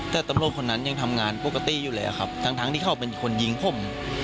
แต่ตำรวจคนนั้นยังทำงานปกติอยู่เลยครับทั้งที่เขาเป็นคนยิงผม